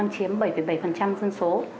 chiếm bảy bảy dân số